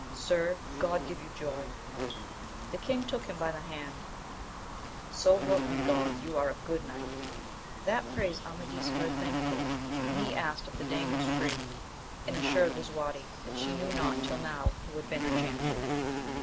Sir, God give you joy ! The king took him by the hand, — So help me God you are a good knight ! That praise Amadis heard thankfully, and he asked if the dame was free, and assured Lisuarte that she knew not till now who had been her champion.